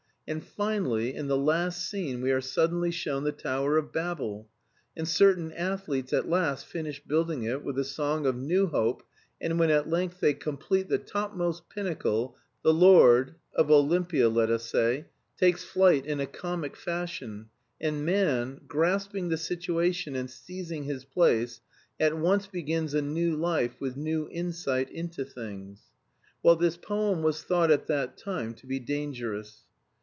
And finally, in the last scene we are suddenly shown the Tower of Babel, and certain athletes at last finish building it with a song of new hope, and when at length they complete the topmost pinnacle, the lord (of Olympia, let us say) takes flight in a comic fashion, and man, grasping the situation and seizing his place, at once begins a new life with new insight into things. Well, this poem was thought at that time to be dangerous.